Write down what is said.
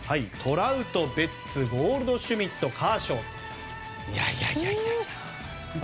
ラウト、ベッツゴールドシュミットカーショーと、いやいや。